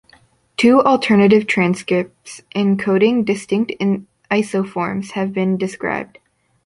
Two alternative transcripts encoding distinct isoforms have been described.